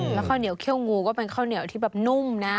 แล้วข้าวเหนียวเขี้ยวงูก็เป็นข้าวเหนียวที่แบบนุ่มนะ